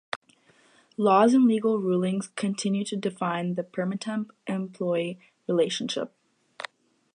Laws and legal rulings continue to define the permatemp-employee relationship.